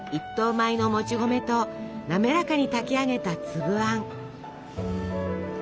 米のもち米となめらかに炊き上げた粒あん。